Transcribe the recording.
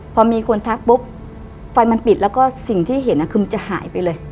พอมีคนทักปุ๊บไฟมันปิดแล้วก็สิ่งที่เห็นคือมันจะหายไปเลย